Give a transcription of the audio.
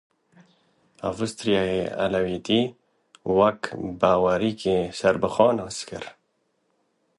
Awistiryayê Elewîtî wek baweriyeke serbixwe nas kir.